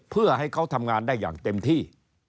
เพื่อให้เขาทำงานได้อย่างเต็มที่